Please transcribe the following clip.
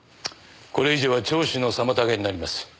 これ以上は聴取の妨げになります。